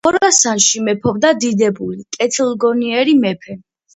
ხორასანში მეფობდა დიდებული, კეთილგონიერი, მეფე.